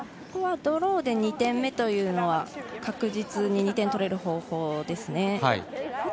ドローで２点目というのは確実に２点取れる方法ですね。